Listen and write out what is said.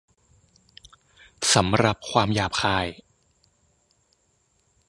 สำหรับ ความหยาบคาย ?